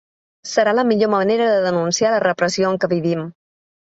Serà la millor manera de denunciar la repressió en què vivim.